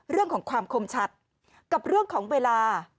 เรื่องของความคมชัดกับเรื่องของเวลา